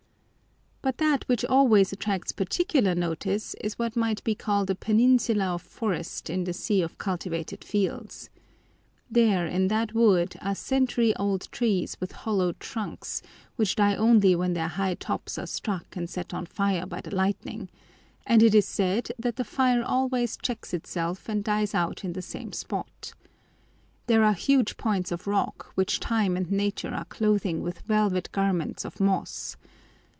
But that which always attracts particular notice is what might be called a peninsula of forest in the sea of cultivated fields. There in that wood are century old trees with hollow trunks, which die only when their high tops are struck and set on fire by the lightning and it is said that the fire always checks itself and dies out in the same spot. There are huge points of rock which time and nature are clothing with velvet garments of moss.